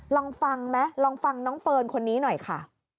ลองฟังไหมลองฟังน้องเฟิร์นคนนี้หน่อยค่ะ